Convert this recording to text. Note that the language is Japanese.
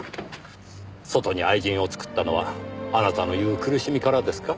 外に愛人を作ったのはあなたの言う苦しみからですか？